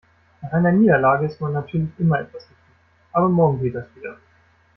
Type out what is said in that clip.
Nach einer Niederlage ist man natürlich immer etwas geknickt, aber morgen geht das wieder.